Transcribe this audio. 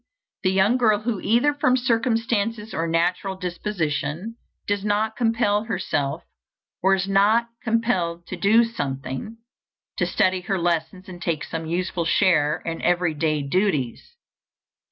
The young girl who, either from circumstances or natural disposition, does not compel herself, or is not compelled to do something to study her lessons and take some useful share in every day duties.